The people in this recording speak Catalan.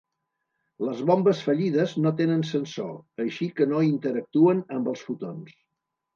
Les bombes fallides no tenen sensor, així que no interactuen amb els fotons.